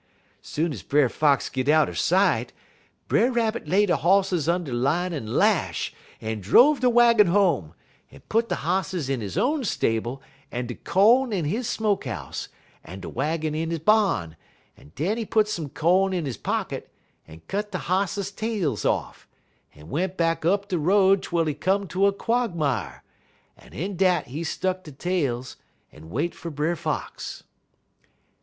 Soon ez Brer Fox git out er sight, Brer Rabbit laid de hosses under line un lash un drove de waggin home, un put de hosses in he own stable, un de co'n in de smoke house, un de waggin in de barn, un den he put some co'n in he pocket, un cut de hosses tails off, un went back up de road twel he come ter a quog mire, un in dat he stick de tails un wait fer Brer Fox.